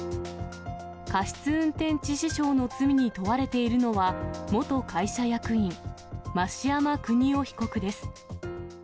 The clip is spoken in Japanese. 過失運転致死傷の罪に問われているのは、元会社役員、増山邦夫被告です。